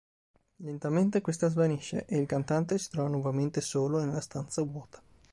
Lentamente, questa svanisce, e il cantante si trova nuovamente solo nella stanza vuota.